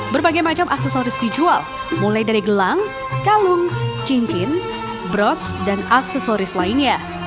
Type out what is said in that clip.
berbagai macam aksesoris dijual mulai dari gelang kalung cincin bros dan aksesoris lainnya